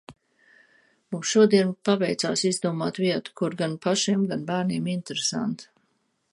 Mums šodien paveicās izdomāt vietu, kur gan pašiem, gan bērniem interesanti.